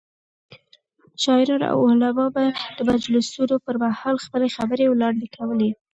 شاعران او علما به د مجلسونو پر مهال خپلې خبرې وړاندې کولې.